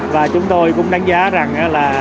và chúng tôi cũng đánh giá rằng